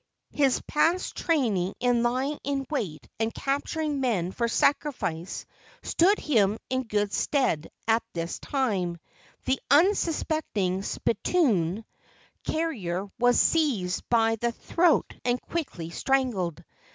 His past training in lying in wait and capturing men for sacrifice stood him in good stead at this time. The unsuspecting spittoon 8o LEGENDS OF GHOSTS carrier was seized by the throat and quickly strangled.